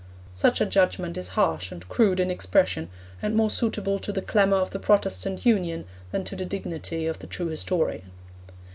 Such a judgment is harsh and crude in expression and more suitable to the clamour of the Protestant Union than to the dignity of the true historian.